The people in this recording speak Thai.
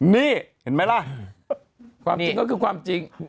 นี่เห็นไหมล่ะความจริงก็คือความจริง